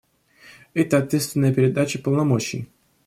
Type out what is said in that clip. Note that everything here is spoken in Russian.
Это ответственная передача полномочий.